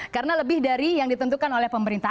karena lebih dari yang ditentukan oleh pemerintah